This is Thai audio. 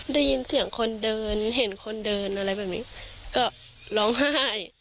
ได้ยินเสียงคนเดินเห็นคนเดินอะไรแบบนี้ก็ร้องไห้